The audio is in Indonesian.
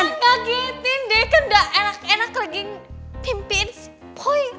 nggak bisa ngagetin deh kan gak enak enak lagi mimpiin si boy